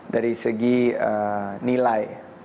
dari segi nilai